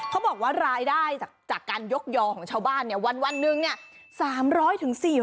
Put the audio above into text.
เขาบอกว่ารายได้จากการยกยอของชาวบ้านวันนึง